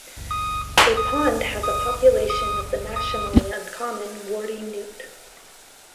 A pond has a population of the nationally uncommon warty newt.